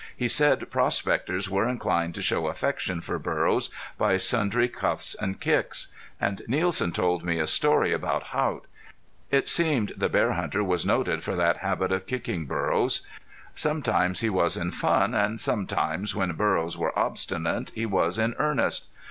He said prospectors were inclined to show affection for burros by sundry cuffs and kicks. And Nielsen told me a story about Haught. It seemed the bear hunter was noted for that habit of kicking burros. Sometimes he was in fun and sometimes, when burros were obstinate, he was in earnest.